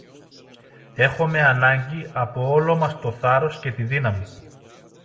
Έχομε ανάγκη από όλο μας το θάρρος και τη δύναμη.